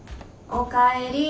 おかえり。